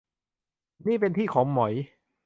นี่เป็นที่ของหมอย